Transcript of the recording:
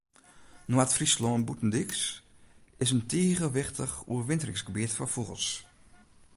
Noard-Fryslân Bûtendyks is in tige wichtich oerwinteringsgebiet foar fûgels.